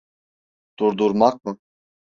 Durdurmak mı?